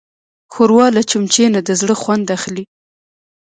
ښوروا له چمچۍ نه د زړه خوند اخلي.